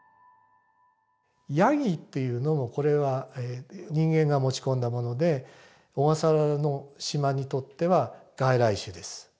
ヤギっていうのもこれは人間が持ち込んだもので小笠原の島にとっては外来種です。